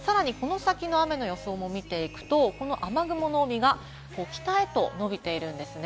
さらに、この先の雨の予想を見ていくと、この雨雲の帯が北へとのびているんですね。